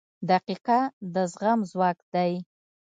• دقیقه د زغم ځواک دی.